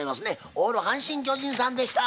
オール阪神・巨人さんでした。